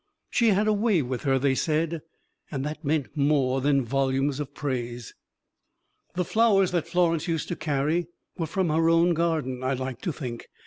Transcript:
"She had a way with her," they said; and that meant more than volumes of praise. The flowers that Florence used to carry were from her own garden, I like to think.